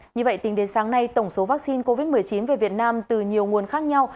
như vậy tính đến sáng nay tổng số vaccine covid một mươi chín về việt nam từ nhiều nguồn khác nhau